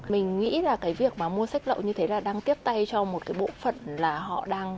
mình nghĩ là cái việc mà mua sách lậu như thế là đang tiếp tay cho một cái bộ phận là họ đang